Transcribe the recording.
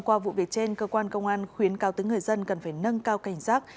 qua vụ việc trên cơ quan công an khuyến cao tứng người dân cần phải nâng cao cảnh giác